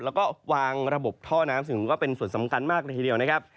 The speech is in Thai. แล้วก็วางระบบท่อน้ำซึ่งถือว่าเป็นส่วนสำคัญมากเลยทีเดียวนะครับ